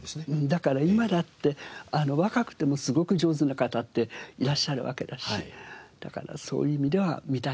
だから今だって若くてもすごく上手な方っていらっしゃるわけだしだからそういう意味では観たいですね。